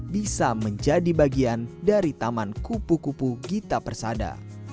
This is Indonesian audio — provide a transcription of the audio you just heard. bisa menjadi bagian dari taman kupu kupu gita persada